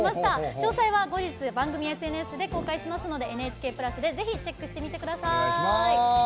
詳細は後日、番組ＳＮＳで公開しますので「ＮＨＫプラス」でぜひ、チェックしてみてください。